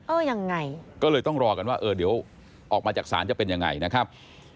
เออยังไงก็เลยต้องรอกันว่าเออเดี๋ยวออกมาจากศาลจะเป็นยังไงนะครับ